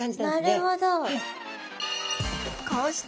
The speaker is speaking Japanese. なるほど。